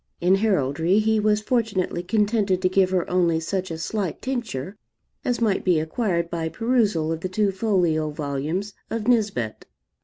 In heraldry he was fortunately contented to give her only such a slight tincture as might be acquired by perusal of the two folio volumes of Nisbet.